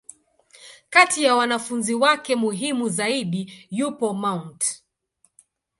Kati ya wanafunzi wake muhimu zaidi, yupo Mt.